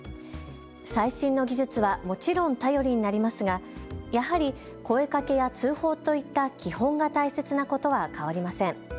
最新の技術はもちろん頼りになりますがやはり声かけや通報といった基本が大切なことは変わりません。